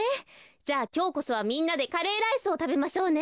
じゃあきょうこそはみんなでカレーライスをたべましょうね。